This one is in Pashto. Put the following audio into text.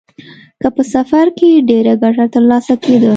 که په سفر کې ډېره ګټه ترلاسه کېده.